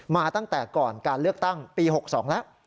มาตั้งแต่ก่อนการเลือกตั้งปี๖๒แล้ว